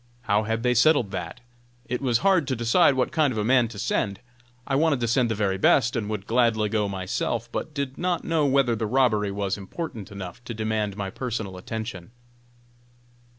How had they settled that? It was hard to decide what kind of a man to send! I wanted to send the very best, and would gladly go myself, but did not know whether the robbery was important enough to demand my personal attention.